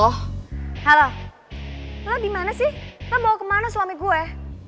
oh halo lo dimana sih lo bawa kemana suami gue